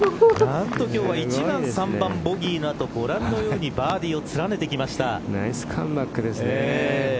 今日は何と１番３番ボギーの後ご覧のようにバーディーを連ねてきました。